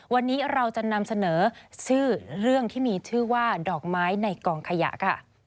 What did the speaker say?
วันนี้เราจะนำเสนอเรื่องที่มีชื่อว่าดอกไม้ในกล่องคยัก